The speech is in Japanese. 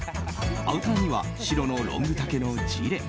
アウターには白のロング丈のジレ。